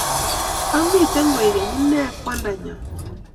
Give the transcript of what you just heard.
Ak mitei koi'geny - Ine Kwandanyo.